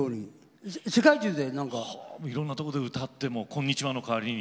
いろんなところで歌ってこんにちはの代わりに。